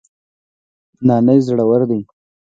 نانی زړور دی